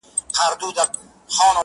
سر مي بلند دی.